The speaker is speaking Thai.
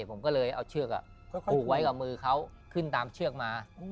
ว่าใช่ผมก็จะให้เอาเชือกปุวไว้กับมือเขาขึ้นตามเชื่อกมา